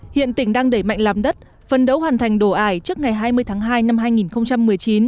hiện tỉnh đang đẩy mạnh làm đất phân đấu hoàn thành đồ ải trước ngày hai mươi tháng hai năm hai nghìn một mươi chín